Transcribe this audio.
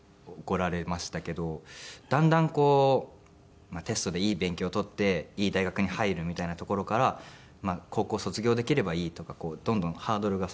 だんだんこうテストでいい勉強を取っていい大学に入るみたいなところから高校卒業できればいいとかどんどんハードルが下がっていって。